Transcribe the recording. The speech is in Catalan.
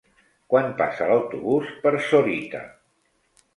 Quan passa l'autobús per Sorita?